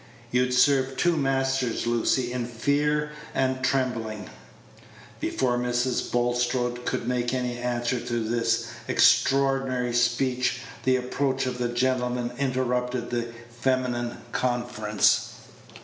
You'd serve two masters, Lucy, in fear and trembling." Before Mrs. Bulstrode could make any answer to this extraordinary speech, the approach of the gentlemen interrupted the feminine conference.